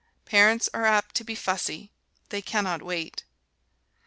Parents are apt to be fussy: they can not wait.